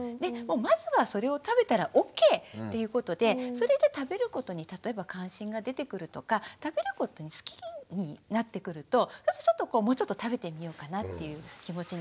まずはそれを食べたらＯＫっていうことでそれで食べることに例えば関心が出てくるとか食べることを好きになってくるともうちょっと食べてみようかなっていう気持ちになりますよね。